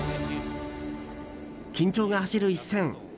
緊張が走る１戦。